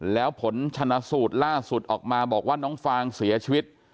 แล้วผลชนะสูตรล่าสุดออกมาบอกว่าน้องฟางเสียชีวิต